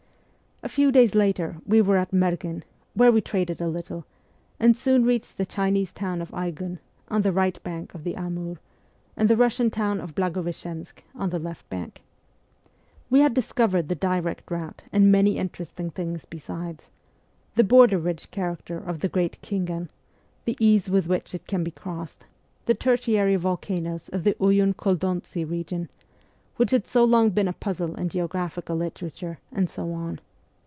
A few days later we were at Merghen, where we traded a little, and soon reached the Chinese town of Aigun, on the right bank of the Amur, and the Kussian town of Blagoveschensk, on the left bank. We had dis covered the direct route and many interesting things besides : the border ridge character of the Great SIBERIA 241 Khinghan, the ease with which it can be crossed, the tertiary volcanoes of the Uyun Kholdontsi region, which had so long been a puzzle in geographical literature, and so on.